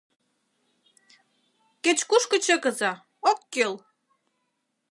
— Кеч-кушко чыкыза, ок кӱл...